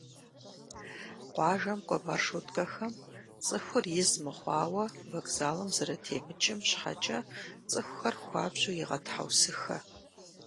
Къуажэм кӏуэ маршруткэхэм цӏыхур из мыхъуауэ вокзалым зэрытемыкӏым щхьэкӏэ цӏыхухэр хуабжьу егъэтхьэусыхэ.